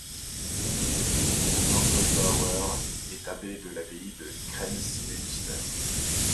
Ganglbauer est abbé de l'abbaye de Kremsmünster.